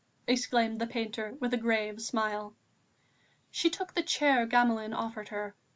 exclaimed the painter, with a grave smile. She took the chair Gamelin offered her.